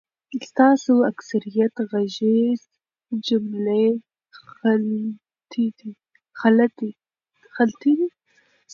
ستاسو اکثریت غږیز جملی خلطی دی